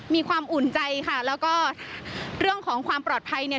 อุ่นใจค่ะแล้วก็เรื่องของความปลอดภัยเนี่ย